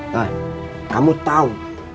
nah kamu tau